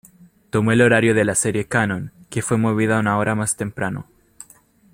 Tomó el horario de la serie "Cannon", que fue movida una hora más temprano.